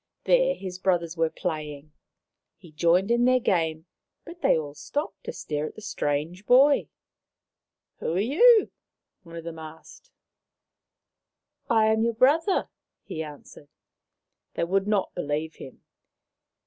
There his brothers were playing. He joined in their game, but they all stopped to stare at the strange boy. " Who are you ?" one of them asked. " I am your brother," he answered. They would not believe him.